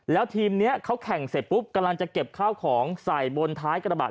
แล้วทีมนี้เขาแข่งเสร็จปุ๊บกำลังจะเก็บข้าวของใส่บนท้ายกระบะ